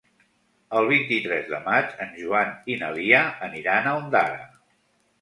El vint-i-tres de maig en Joan i na Lia aniran a Ondara.